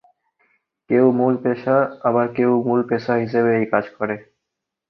কেউ মূল পেশা আবার কেউ মূল পেশা হিসেবে এই কাজ করে।